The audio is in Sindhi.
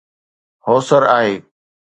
هوسر آهي